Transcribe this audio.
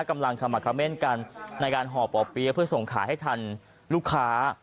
กำลังขมักเม่นกันในการห่อป่อเปี๊ยะเพื่อส่งขายให้ทันลูกค้า